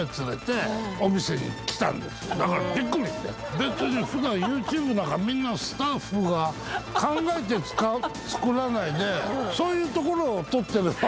別にふだんＹｏｕＴｕｂｅなんかみんなスタッフが考えて作らないでそういうところを撮ってれば。